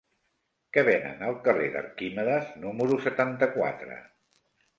Què venen al carrer d'Arquímedes número setanta-quatre?